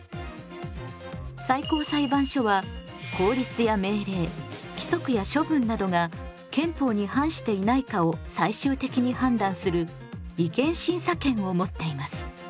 最高裁判所は法律や命令規則や処分などが憲法に反していないかを最終的に判断する違憲審査権をもっています。